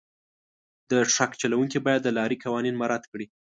د ټرک چلونکي باید د لارې قوانین مراعات کړي.